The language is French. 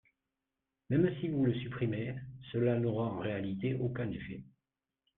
Même si vous le supprimez, cela n’aura en réalité aucun effet.